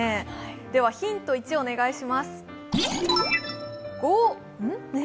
ではヒント１をお願いします。